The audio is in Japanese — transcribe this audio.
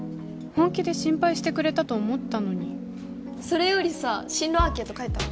本気で心配してくれたと思ったのにそれよりさ進路アンケート書いた？